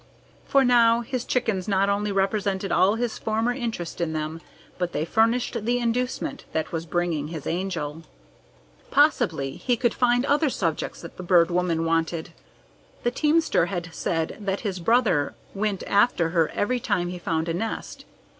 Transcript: For now his chickens not only represented all his former interest in them, but they furnished the inducement that was bringing his Angel. Possibly he could find other subjects that the Bird Woman wanted. The teamster had said that his brother went after her every time he found a nest.